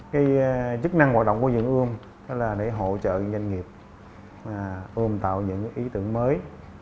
cái chức năng hoạt động của vườn ươm đó là để hỗ trợ doanh nghiệp ươm tạo những ý tưởng mới